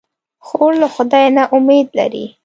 خور له خدای نه امید لري.